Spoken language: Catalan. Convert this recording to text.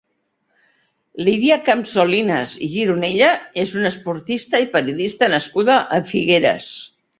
Lídia Campsolinas i Gironella és una esportista i periodista nascuda a Figueres.